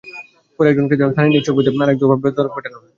পরে একজনকে থানায় নিয়ে চোখ বেঁধে আরেক দফা বেধড়ক পেটানো হয়।